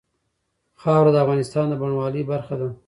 خاوره د افغانستان د بڼوالۍ برخه ده.